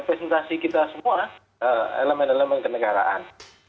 presentasi kita semua elemen elemen kenegaraan